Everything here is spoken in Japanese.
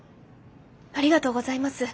ありがとうございます。